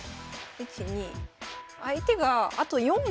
１２。